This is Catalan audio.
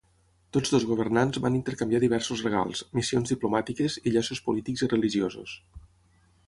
Tots dos governants van intercanviar diversos regals, missions diplomàtiques i llaços polítics i religiosos.